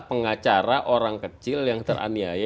pengacara orang kecil yang teraniaya